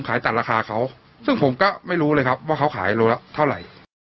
ขายตัดราคาเขาซึ่งผมก็ไม่รู้เลยครับว่าเขาขายโลละเท่าไหร่